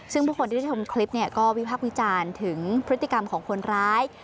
ซึ่งผู้คนที่ได้ชมคลิปเนี่ยก็วิพักษ์วิจารณ์ถึงพฤติกรรมของคนร้าย